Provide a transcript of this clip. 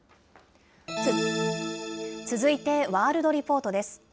続いて、ワールドリポートです。